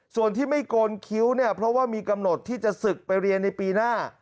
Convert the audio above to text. ส่วนที่ไม่โกนคิ้วเนี่ยเพราะว่ามีกำหนดที่จะศึกไปเรียนในปีหน้า